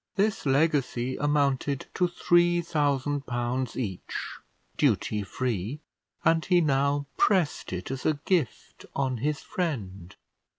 This legacy amounted to three thousand pounds each, duty free; and he now pressed it as a gift on his friend.